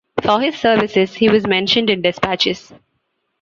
For his services he was mentioned in despatches.